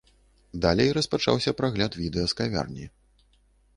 Далей распачаўся прагляд відэа з кавярні.